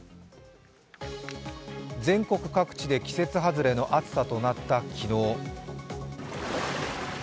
全国各地で季節外れの暑さとなった昨日。